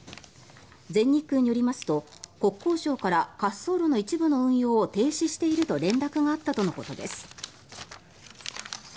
全日空によりますと国交省から滑走路の一部の運用を停止していると連絡があったとのことです。